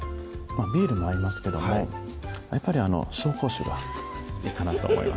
ビールも合いますけどもやっぱり紹興酒がいいかなと思います